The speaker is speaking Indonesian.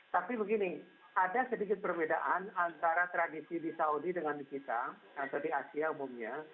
tapi begini ada sedikit perbedaan antara tradisi di saudi dengan di kita atau di asia umumnya